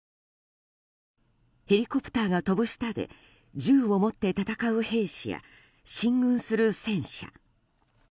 ヘリコプターが飛ぶ下で銃を持って戦う兵士や進軍する戦車。